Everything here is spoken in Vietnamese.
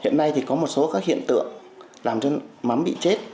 hiện nay thì có một số các hiện tượng làm cho mắm bị chết